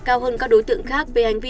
cao hơn các đối tượng khác về hành vi